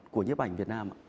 của nhấp ảnh việt nam